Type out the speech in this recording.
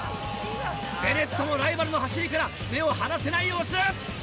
ベネットもライバルの走りから目を離せない様子。